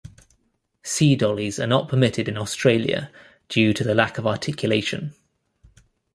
C-dollies are not permitted in Australia, due to the lack of articulation.